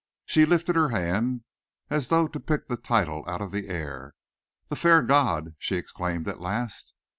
She lifted her hand as though to pick the title out of the air. "The Fair God," she exclaimed at last.